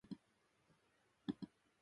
ら